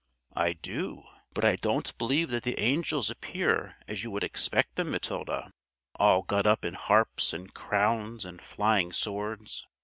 "I do. But I don't believe that the angels appear as you would expect them, Matilda all got up in harps and crowns and flaming swords.